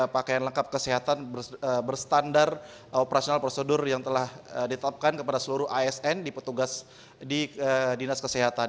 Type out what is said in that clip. pakaian lengkap kesehatan berstandar operasional prosedur yang telah ditetapkan kepada seluruh asn di petugas di dinas kesehatan